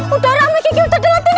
udah rame kiki udah telat ini